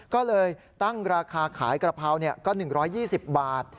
ก็เลยตั้งราคาขายกระเพราก็๑๒๐บาท